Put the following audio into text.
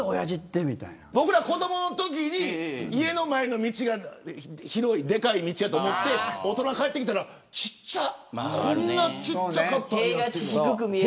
僕ら子どものときに家の前の道が広い、でかい道だと思って大人になって帰ってきたらこんなちっちゃかったのかなって。